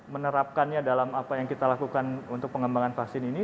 menerapkannya dalam apa yang kita lakukan untuk pengembangan vaksin ini